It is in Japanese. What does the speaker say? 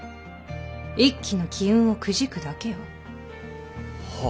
一揆の機運をくじくだけよ。は？